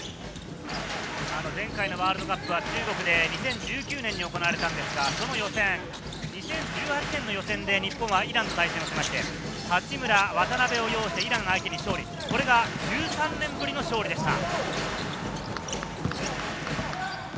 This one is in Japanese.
前回のワールドカップは中国で２０１９年に行われたんですが、その予選、２０１８年の予選で日本はイランと対戦しまして、八村、渡邊を擁してイラン相手に勝利、これが１３年ぶりの勝利でした。